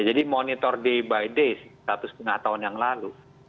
jadi monitor day by day satu setengah tahun yang lalu